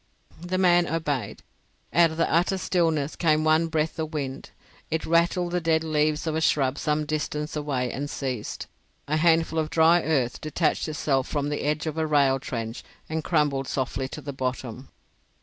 The man obeyed. Out of the utter stillness came one breath of wind. It rattled the dead leaves of a shrub some distance away and ceased. A handful of dry earth detached itself from the edge of a rail trench and crumbled softly to the bottom.